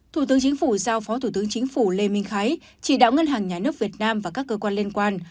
thủ tướng chính phủ giao phó thủ tướng chính phủ lê minh khái chỉ đạo ngân hàng nhà nước việt nam và các cơ quan liên quan